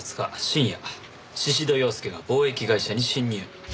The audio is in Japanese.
深夜宍戸洋介が貿易会社に侵入。